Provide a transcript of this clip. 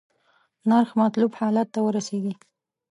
نرخ مطلوب حالت ته ورسیږي.